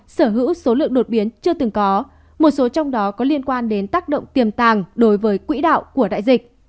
sở hữu số lượng đột biến chưa từng có một số trong đó có liên quan đến tác động tiềm tàng đối với quỹ đạo của đại dịch